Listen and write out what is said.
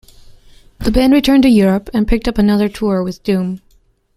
The band returned to Europe and picked up another tour with Doom.